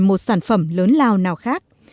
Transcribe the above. một sản phẩm lớn lao nào khác